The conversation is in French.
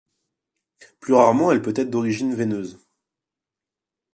Plus rarement, elle peut être d'origine veineuse.